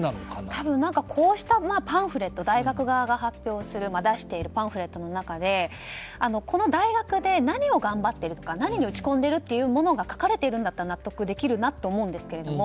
多分、こうした大学側が発表しているパンフレットの中でこの大学で何を頑張っているか何に打ち込んでいるかが書かれているんだったら納得できるなと思うんですけれども。